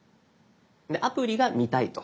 アプリが見たいと。